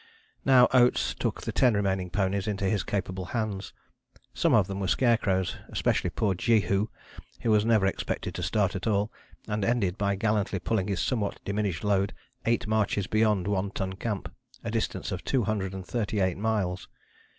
Now Oates took the ten remaining ponies into his capable hands. Some of them were scarecrows, especially poor Jehu, who was never expected to start at all, and ended by gallantly pulling his somewhat diminished load eight marches beyond One Ton Camp, a distance of 238 miles.